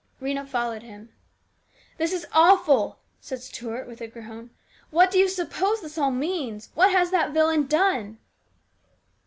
Rhena followed him. " This is awful !" said Stuart with a groan. " What do you suppose this all means ? What has that villain done